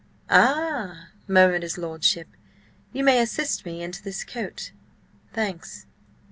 "Ah!" murmured his lordship. "You may assist me into this coat. Thanks."